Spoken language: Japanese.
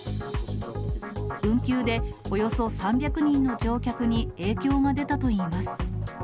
運休でおよそ３００人の乗客に影響が出たといいます。